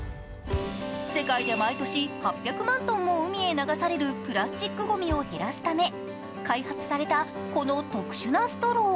世界で毎年８００万ｔも海へ流されるプラスチックごみを減らすため開発されたこの特殊なストロー。